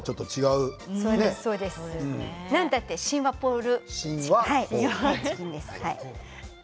なんて言ってもシン和ポール。